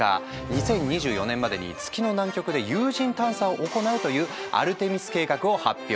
２０２４年までに月の南極で有人探査を行うというアルテミス計画を発表。